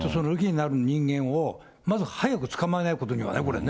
なる人間を、まず早く捕まえないことにはね、これね。